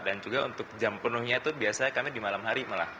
juga untuk jam penuhnya itu biasanya kami di malam hari malah